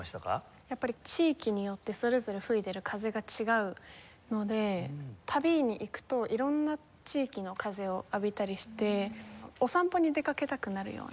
やっぱり地域によってそれぞれ吹いてる風が違うので旅に行くと色んな地域の風を浴びたりしてお散歩に出かけたくなるような。